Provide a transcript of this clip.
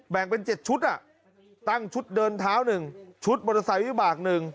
แบ่งเป็น๗ชุดตั้งชุดเดินเท้า๑ชุดมอเตอร์ไซค์วิบาก๑